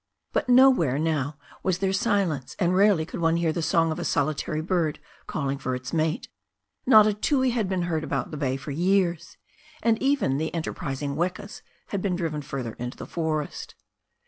But nowhere now was there silence, and rarely could one hear the song of a solitary bird calling for its mate. Not a tui had been heard about the bay for years, and even the enterprising wekas had been driven further into the forests.